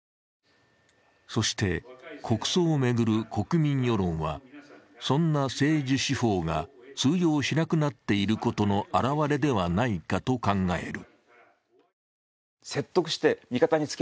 そして国葬を巡る国民世論はそんな政治手法が通用しなくなっていることの表れではないかと考える。